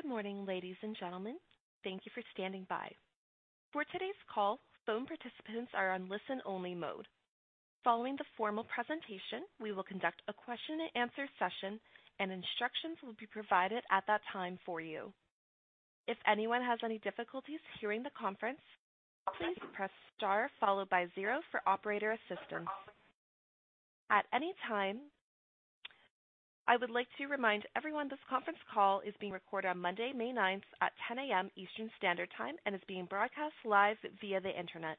Good morning, ladies and gentlemen. Thank you for standing by. For today's call, phone participants are on listen-only mode. Following the formal presentation, we will conduct a question and answer session, and instructions will be provided at that time for you. If anyone has any difficulties hearing the conference, please press star followed by zero for operator assistance. At any time. I would like to remind everyone this conference call is being recorded on Monday, May ninth, at 10 A.M. Eastern Standard Time and is being broadcast live via the Internet.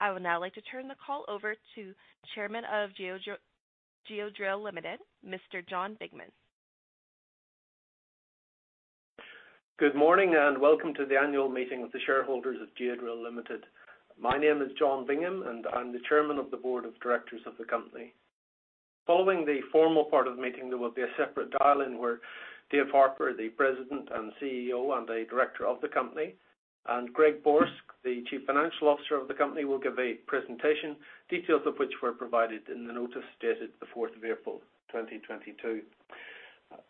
I would now like to turn the call over to Chairman of Geodrill Limited, Mr. John Bingham. Good morning, and welcome to the annual meeting of the shareholders of Geodrill Limited. My name is John Bingham, and I'm the Chairman of the Board of Directors of the company. Following the formal part of the meeting, there will be a separate dial-in where Dave Harper, the President and CEO, and a Director of the company, and Greg Borsk, the Chief Financial Officer of the company, will give a presentation, details of which were provided in the notice dated April 4, 2022.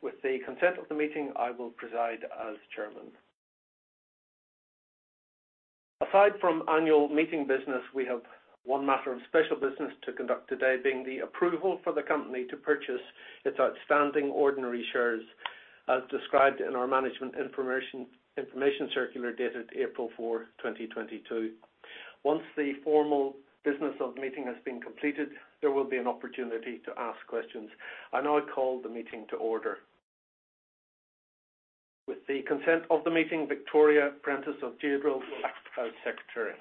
With the consent of the meeting, I will preside as Chairman. Aside from annual meeting business, we have one matter of special business to conduct today, being the approval for the company to purchase its outstanding ordinary shares as described in our Management Information Circular dated April 4, 2022. Once the formal business of the meeting has been completed, there will be an opportunity to ask questions. I now call the meeting to order. With the consent of the meeting, Victoria Prentice of Geodrill will act as Secretary.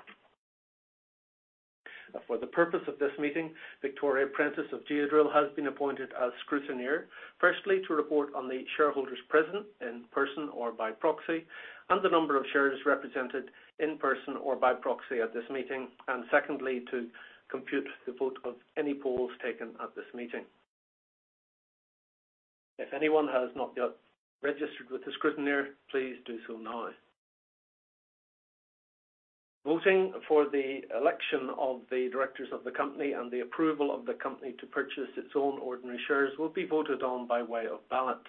For the purpose of this meeting, Victoria Prentice of Geodrill has been appointed as scrutineer, firstly, to report on the shareholders present in person or by proxy, and the number of shares represented in person or by proxy at this meeting, and secondly, to compute the vote of any polls taken at this meeting. If anyone has not yet registered with the scrutineer, please do so now. Voting for the election of the directors of the company and the approval of the company to purchase its own ordinary shares will be voted on by way of ballot.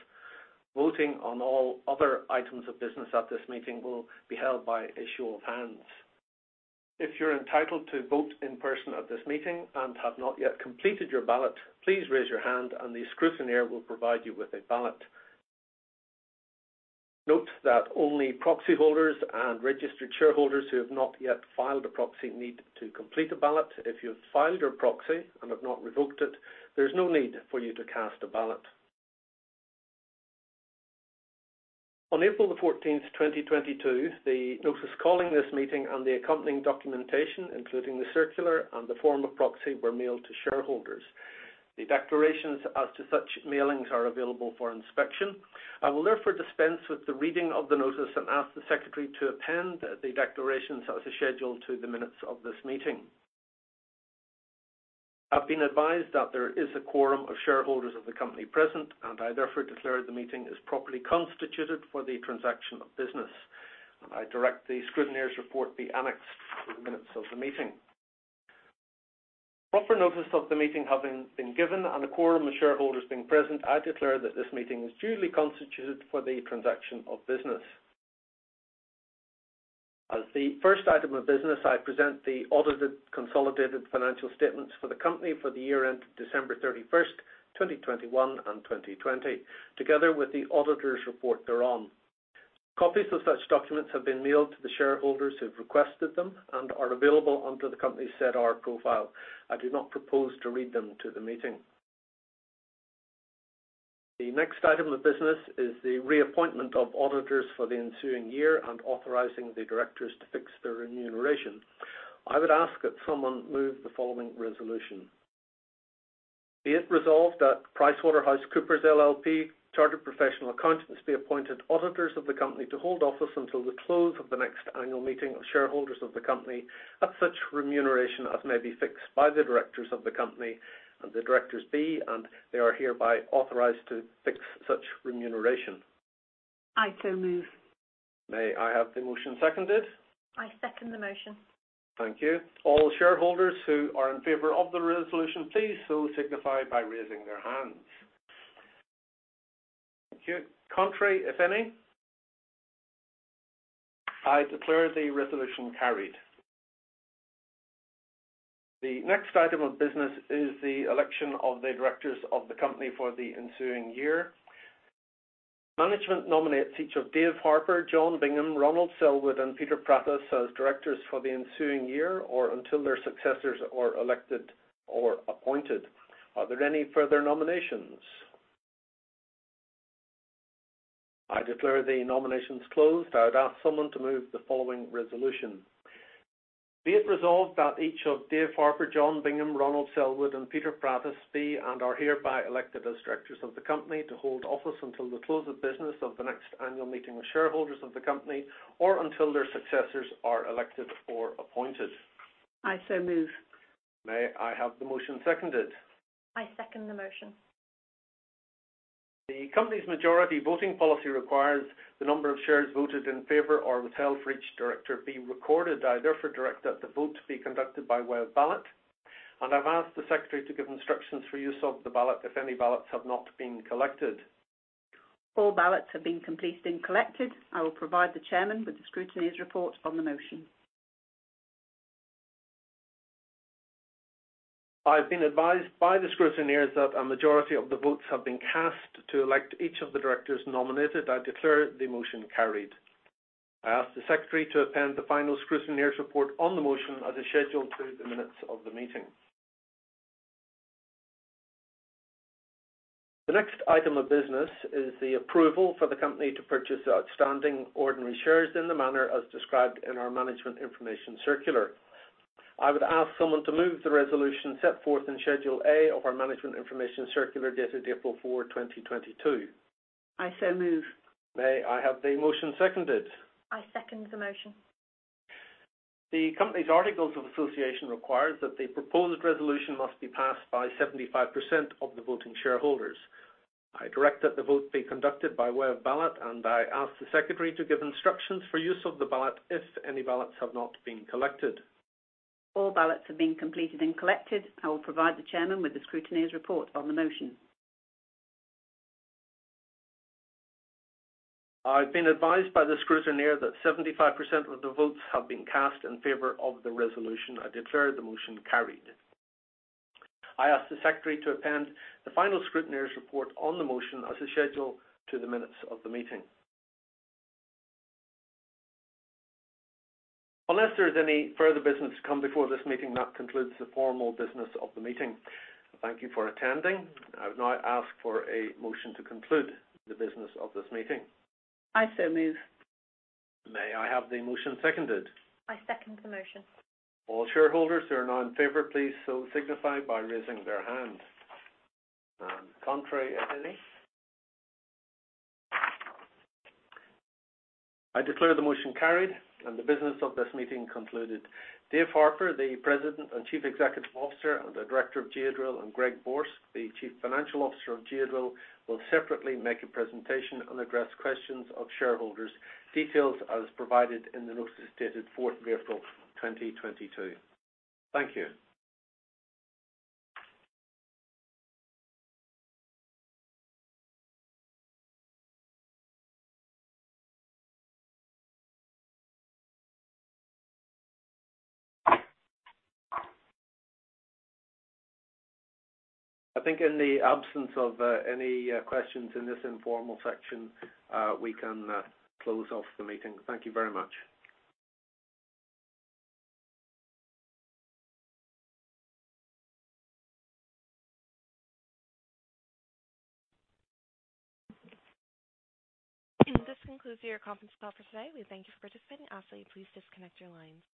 Voting on all other items of business at this meeting will be held by a show of hands. If you're entitled to vote in person at this meeting and have not yet completed your ballot, please raise your hand, and the scrutineer will provide you with a ballot. Note that only proxy holders and registered shareholders who have not yet filed a proxy need to complete a ballot. If you've filed your proxy and have not revoked it, there's no need for you to cast a ballot. On April 14, 2022, the notice calling this meeting and the accompanying documentation, including the circular and the form of proxy, were mailed to shareholders. The declarations as to such mailings are available for inspection. I will therefore dispense with the reading of the notice and ask the Secretary to append the declarations as a schedule to the minutes of this meeting. I've been advised that there is a quorum of shareholders of the company present, and I therefore declare the meeting is properly constituted for the transaction of business. I direct the scrutineer's report be annexed to the minutes of the meeting. Proper notice of the meeting having been given and a quorum of shareholders being present, I declare that this meeting is duly constituted for the transaction of business. As the first item of business, I present the audited consolidated financial statements for the company for the year ended December 31, 2021 and 2020, together with the auditors' report thereon. Copies of such documents have been mailed to the shareholders who've requested them and are available on the company's SEDAR profile. I do not propose to read them to the meeting. The next item of business is the reappointment of auditors for the ensuing year and authorizing the directors to fix their remuneration. I would ask that someone move the following resolution. Be it resolved that PricewaterhouseCoopers LLP Chartered Professional Accountants be appointed auditors of the company to hold office until the close of the next annual meeting of shareholders of the company at such remuneration as may be fixed by the directors of the company and the directors be, and they are hereby authorized to fix such remuneration. I so move. May I have the motion seconded? I second the motion. Thank you. All shareholders who are in favor of the resolution please so signify by raising their hands. Thank you. Contrary, if any? I declare the resolution carried. The next item of business is the election of the directors of the company for the ensuing year. Management nominates each of Dave Harper, John Bingham, Ron Sellwood, and Peter Prattas as directors for the ensuing year or until their successors are elected or appointed. Are there any further nominations? I declare the nominations closed. I would ask someone to move the following resolution. Be it resolved that each of Dave Harper, John Bingham, Ron Sellwood, and Peter Prattas be and are hereby elected as directors of the company to hold office until the close of business of the next annual meeting with shareholders of the company or until their successors are elected or appointed. I move. May I have the motion seconded? I second the motion. The company's majority voting policy requires the number of shares voted in favor or withheld for each director be recorded. I therefore direct that the vote be conducted by way of ballot. I've asked the secretary to give instructions for use of the ballot if any ballots have not been collected. All ballots have been completed and collected. I will provide the Chairman with the scrutineer's report on the motion. I've been advised by the scrutineers that a majority of the votes have been cast to elect each of the directors nominated. I declare the motion carried. I ask the secretary to append the final scrutineer's report on the motion as a schedule to the minutes of the meeting. The next item of business is the approval for the company to purchase outstanding ordinary shares in the manner as described in our Management Information Circular. I would ask someone to move the resolution set forth in Schedule A of our Management Information Circular dated April 4, 2022. I move. May I have the motion seconded? I second the motion. The company's articles of association requires that the proposed resolution must be passed by 75% of the voting shareholders. I direct that the vote be conducted by way of ballot, and I ask the secretary to give instructions for use of the ballot if any ballots have not been collected. All ballots have been completed and collected. I will provide the chairman with the scrutineer's report on the motion. I've been advised by the scrutineer that 75% of the votes have been cast in favor of the resolution. I declare the motion carried. I ask the secretary to append the final scrutineer's report on the motion as a schedule to the minutes of the meeting. Unless there is any further business to come before this meeting, that concludes the formal business of the meeting. Thank you for attending. I would now ask for a motion to conclude the business of this meeting. I so move. May I have the motion seconded? I second the motion. All shareholders who are now in favor, please so signify by raising their hand. None contrary, if any. I declare the motion carried and the business of this meeting concluded. Dave Harper, the President and Chief Executive Officer and Director of Geodrill, and Greg Borsk, the Chief Financial Officer of Geodrill, will separately make a presentation and address questions of shareholders. Details as provided in the notice dated April 4, 2022. Thank you. I think in the absence of any questions in this informal section, we can close off the meeting. Thank you very much. This concludes your conference call for today. We thank you for participating. I ask that you please disconnect your lines.